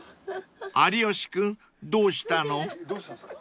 ［有吉君どうしたの？］